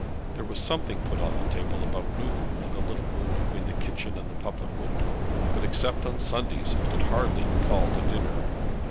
There was something put on the table about noon in the little room between the kitchen and the public window; but except on Sundays it could hardly be called a dinner.